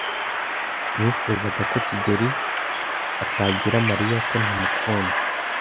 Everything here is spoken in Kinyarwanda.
Nifuzaga ko kigeli atabwira Mariya ko ntamukunda.